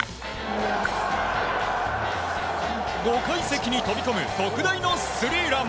５階席に飛びこむ特大のスリーラン！